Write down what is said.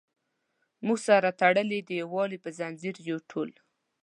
موږ سره تړلي د یووالي په زنځیر یو ټول.